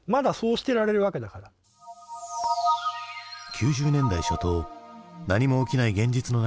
９０年代初頭何も起きない現実の中